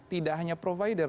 tidak hanya provider